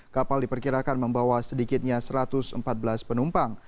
kapal diperkirakan membawa sedikitnya satu ratus empat belas penumpang